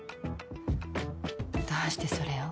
どうしてそれを。